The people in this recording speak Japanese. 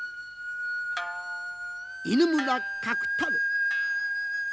犬村角太郎。